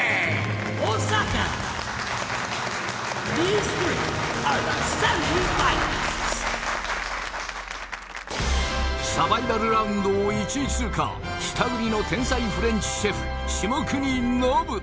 大阪サバイバルラウンドを１位通過北国の天才フレンチシェフ下國伸